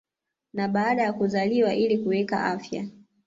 na baada ya kuzaliwa ili kuweka afya